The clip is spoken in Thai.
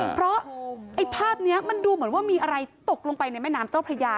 เพราะไอ้ภาพนี้มันดูเหมือนว่ามีอะไรตกลงไปในแม่น้ำเจ้าพระยา